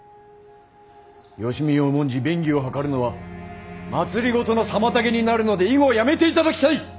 誼を重んじ便宜を図るのは政の妨げになるので以後やめていただきたい！